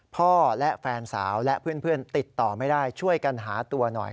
พ่อและแฟนสาวและเพื่อนติดต่อไม่ได้ช่วยกันหาตัวหน่อย